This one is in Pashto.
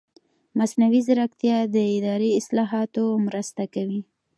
مصنوعي ځیرکتیا د اداري اصلاحاتو مرسته کوي.